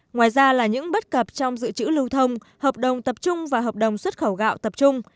ngoài ra là những bất cập trong dự trữ lưu thông hợp đồng tập trung và hợp đồng xuất khẩu gạo tập trung